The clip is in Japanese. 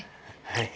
はい。